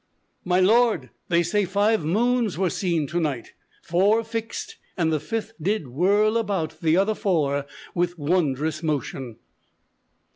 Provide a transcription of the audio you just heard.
_ "My lord, they say five moons were seen to night; Four fixed; and the fifth did whirl about The other four with wondrous motion."